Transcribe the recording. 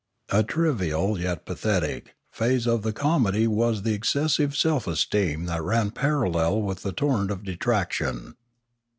A trivial, yet pathetic, phase of the comedy was the excessive self esteem that ran parallel with the torrent of detraction.